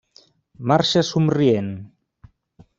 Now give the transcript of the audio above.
Marxa somrient.